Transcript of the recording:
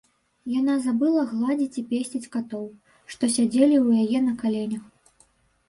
Яна забыла гладзіць і песціць катоў, што сядзелі ў яе на каленях.